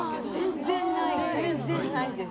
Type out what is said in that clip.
全然ないです。